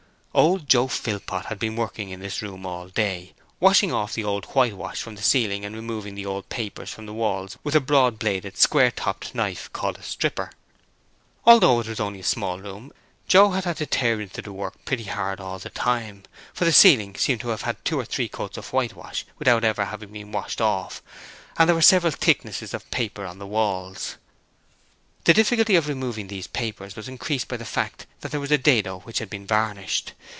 Old Joe Philpot had been working in this room all day, washing off the old whitewash from the ceiling and removing the old papers from the walls with a broad bladed, square topped knife called a stripper. Although it was only a small room, Joe had had to tear into the work pretty hard all the time, for the ceiling seemed to have had two or three coats of whitewash without ever having been washed off, and there were several thicknesses of paper on the walls. The difficulty of removing these papers was increased by the fact that there was a dado which had been varnished.